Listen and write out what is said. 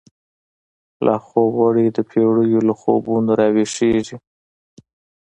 لاخوب وړی دپیړیو، له خوبونو راویښیږی